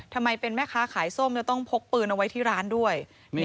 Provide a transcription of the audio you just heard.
ทำไมเป็นแม่ค้าขายส้มจะต้องพกปืนเอาไว้ที่ร้านด้วย